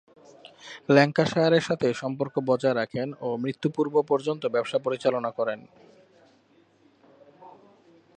ল্যাঙ্কাশায়ারের সাথে সম্পর্ক বজায় রাখেন ও মৃত্যু-পূর্ব পর্যন্ত ব্যবসা পরিচালনা করেন।